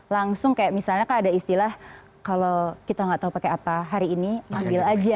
langsung kayak misalnya ada istilah kalau kita nggak tahu pakai apa hari ini ambil aja